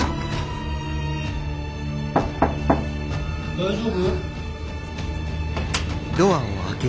・・・大丈夫？